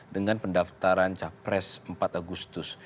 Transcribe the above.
dengan pendaftaran capres empat agustus